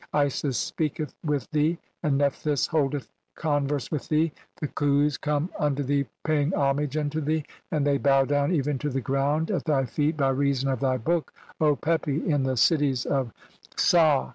Isis speaketh with "thee, and Nephthys holdeth converse with thee ; the "(9) Khus come unto thee paying homage [unto thee], "and they bow down, even to the ground, at thy feet "by reason of thy book, O Pepi, (10) in the cities of "Saa.